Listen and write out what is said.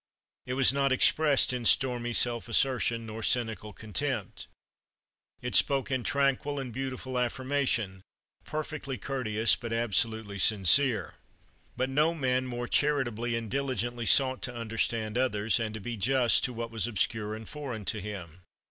It was not expressed in stormy self assertion nor cynical contempt. It spoke in tranquil and beautiful affirmation, perfectly courteous, but absolutely sincere. But no man more charitably and diligently sought to understand others, and to be just to what was obscure and foreign to him.